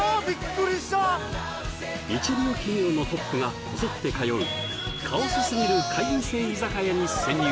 一流企業のトップがこぞって通うカオスすぎる会員制居酒屋に潜入！